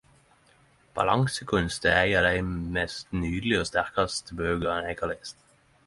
Balansekunst er ei av dei mest nydelege og sterkaste bøker eg har lest.